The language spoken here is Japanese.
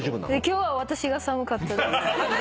今日は私が寒かったです。